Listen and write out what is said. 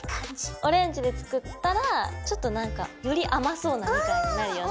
オレンジで作ったらちょっとなんかより甘そうなみかんになるよね。